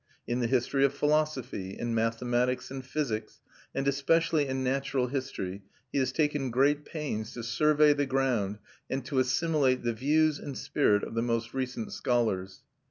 In the history of philosophy, in mathematics and physics, and especially in natural history he has taken great pains to survey the ground and to assimilate the views and spirit of the most recent scholars.